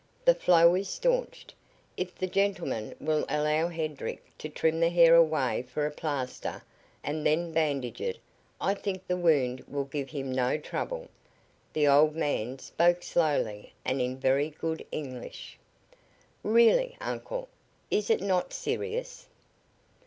The flow is staunched. If the gentleman will allow Hedrick to trim the hair away for a plaster and then bandage it I think the wound will give him no trouble." The old man spoke slowly and in very good English. "Really, Uncle, is it not serious?"